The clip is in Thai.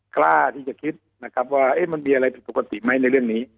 กล้าที่จะคิดมันมีอะไรปกติไหมในเรื่องนี้